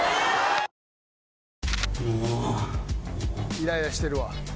イライラしてるわ。